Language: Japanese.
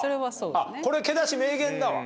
これけだし名言だわ。